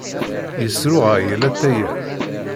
Yesruɣay latay-a.